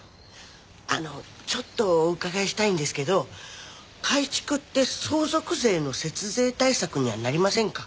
あのちょっとお伺いしたいんですけど改築って相続税の節税対策にはなりませんか？